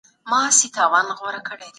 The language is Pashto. سيمينارونه ترسره کوي.